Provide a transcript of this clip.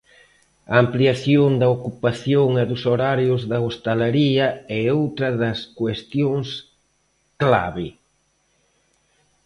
A ampliación da ocupación e dos horarios da hostalería é outra das cuestións clave.